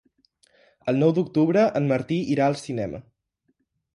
El nou d'octubre en Martí irà al cinema.